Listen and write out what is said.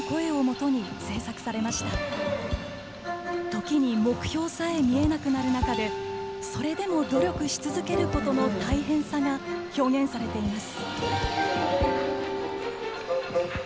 ときに目標さえ見えなくなる中でそれでも努力し続けることの大変さが表現されています。